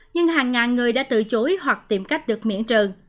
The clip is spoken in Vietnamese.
nhưng hàng ngàn người đã từ chối hoặc tìm cách được miễn trừ